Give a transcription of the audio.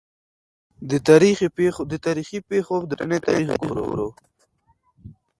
د تا ریخي پېښو د پلټني تاریخ ګورو.